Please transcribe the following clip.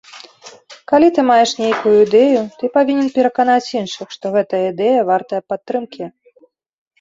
Калі ты маеш нейкую ідэю, ты павінен пераканаць іншых, што гэтая ідэя вартая падтрымкі.